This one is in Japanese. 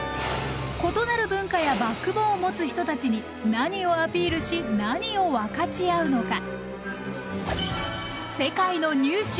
異なる文化やバックボーンを持つ人たちに何をアピールし何を分かち合うのか。